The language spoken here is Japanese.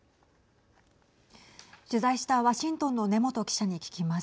取材したワシントンの根本記者に聞きます。